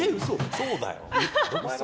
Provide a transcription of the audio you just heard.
そうだよ。